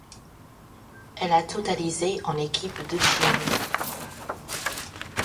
Elle a totalisé en équipe de Chine.